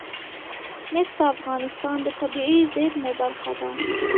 مس د افغانستان د طبیعي زیرمو برخه ده.